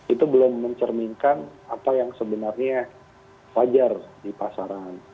itu belum mencerminkan apa yang sebenarnya wajar di pasaran